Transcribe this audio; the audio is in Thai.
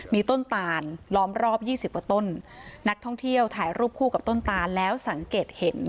มีต้นตานล้อมรอบ๒๐กว่าต้นนักท่องเที่ยวถ่ายรูปคู่กับต้นตานแล้วสังเกตเห็น